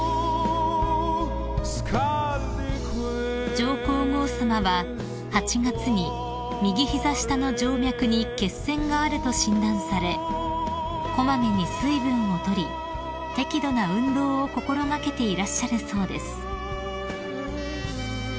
［上皇后さまは８月に右膝下の静脈に血栓があると診断され小まめに水分を取り適度な運動を心掛けていらっしゃるそうです］